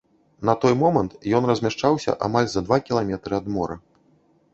На той момант ён размяшчаўся амаль за два кіламетры ад мора.